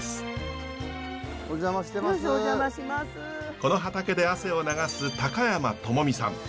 この畑で汗を流す高山知己さん。